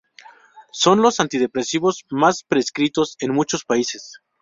Son los antidepresivos más prescritos en muchos países.